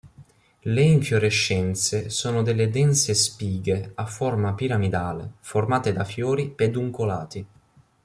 Le infiorescenze sono delle dense spighe a forma piramidale formate da fiori peduncolati.